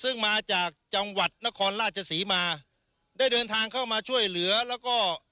ซึ่งมาจากจังหวัดนครราชศรีมาได้เดินทางเข้ามาช่วยเหลือแล้วก็